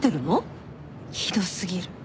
ひど過ぎる。